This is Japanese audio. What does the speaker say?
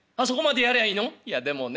いやでもね